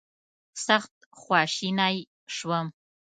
سخت خواشینی شوم.